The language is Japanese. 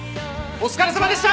お疲れさまでした！